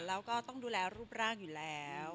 แล้วก็ต้องดูแลรูปร่างอยู่แล้ว